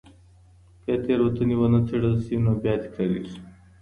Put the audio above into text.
که تېروتنې ونه څېړل سي نو بيا تکرارېږي.